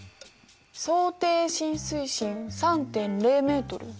「想定浸水深３．０ｍ」。